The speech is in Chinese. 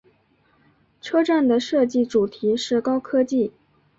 车站的设计主题是高科技。